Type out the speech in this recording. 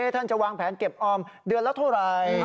ท่านจะวางแผนเก็บออมเดือนละเท่าไหร่